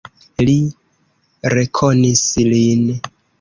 Li rekonis lin.